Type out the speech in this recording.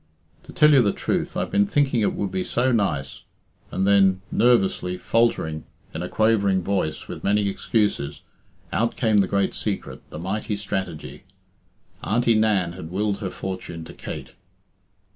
"To tell you the truth, I've been thinking it would be so nice " And then, nervously, faltering, in a quavering voice, with many excuses, out came the great secret, the mighty strategy. Auntie Nan had willed her fortune to Kate.